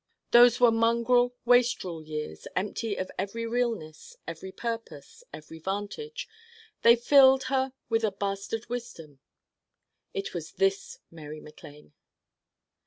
Those were mongrel wastrel years empty of every realness, every purpose, every vantage: they filled her with a bastard wisdom. It was this Mary MacLane.